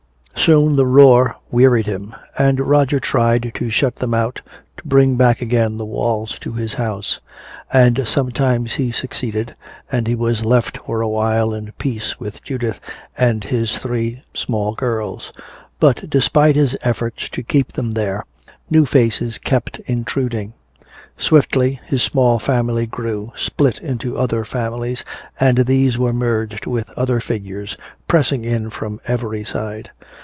Soon the uproar wearied him, and Roger tried to shut them out, to bring back again the walls to his house. And sometimes he succeeded, and he was left for a while in peace with Judith and his three small girls. But despite his efforts to keep them there, new faces kept intruding. Swiftly his small family grew, split into other families, and these were merged with other figures pressing in from every side.